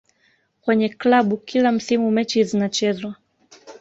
kwenye klabu kila msimu mechi zinachezwa